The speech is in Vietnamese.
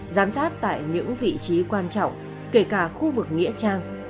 giám sát tại những vị trí quan trọng kể cả khu vực nghĩa trang